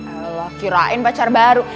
alah kirain pacar baru